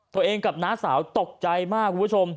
ตัวเองกับน้าสาวตกใจมากคุณผู้ชม